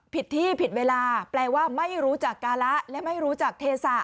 ผิดที่ผิดเวลาแปลว่าไม่รู้จักการะและไม่รู้จักเทศะ